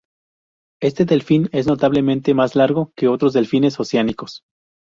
Este delfín es notablemente más largo que otros delfines oceánicos.